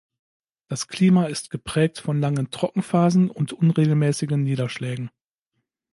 Das Klima ist geprägt von langen Trockenphasen und unregelmäßigen Niederschlägen.